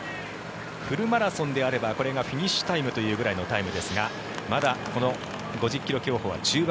フルマラソンであればこれがフィニッシュタイムというぐらいですがまだこの５０ｋｍ競歩は中盤。